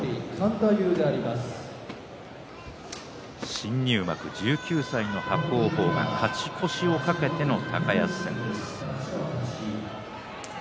新入幕１９歳の伯桜鵬が勝ち越しを懸けての高安戦です。